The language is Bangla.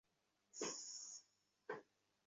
তিনি তৈলচিত্র তৈরি করতেন।